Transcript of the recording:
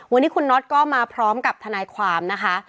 วันนี้คุณน็อตก็มาพร้อมกับทนายความนะคะ